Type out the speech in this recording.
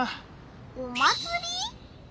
お祭り？